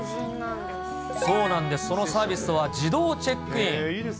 そうなんです、そのサービスは、自動チェックイン。